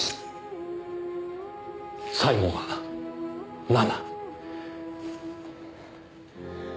最後が７。